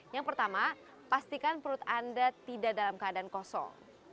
yang pertama pastikan perut anda tidak dalam keadaan kosong